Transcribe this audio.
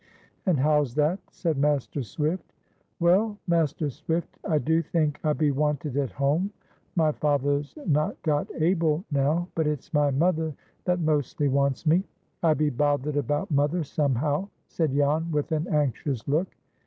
"And how's that?" said Master Swift. "Well, Master Swift, I do think I be wanted at home. My father's not got Abel now; but it's my mother that mostly wants me. I be bothered about mother, somehow," said Jan, with an anxious look.